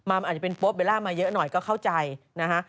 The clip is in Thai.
มันอาจจะเป็นโป๊เบลล่ามาเยอะหน่อยก็เข้าใจนะฮะ